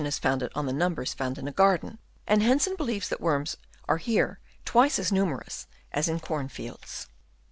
III. founded on the numbers found in a garden, and Hensen believes that worms are here twice as numerous as in corn fields.